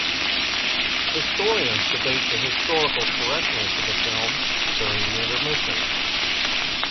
Historians debate the historical correctness of the film during the intermission.